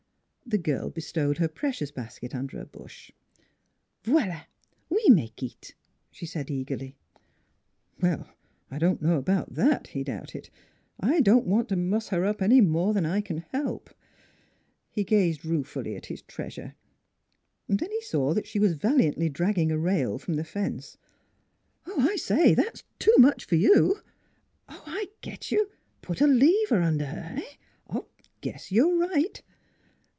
The girl bestowed her precious basket under a bush. " Vo'ila! We make eet," she said eagerly. " Well, I don't know about that," he doubted; " I don't want to muss her up any more than I can help." He gazed ruefully at his treasure; then he saw that she was valiantly dragging a rail from the fence. "Oh, I say! that's too much for you. ... But I get you. Put a lever under her eh? Guess you're right."